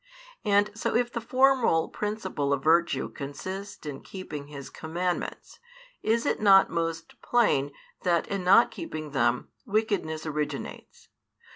And so if the formal principle of virtue consist in keeping His commandments, is it not most plain that in not keeping them wickedness originates?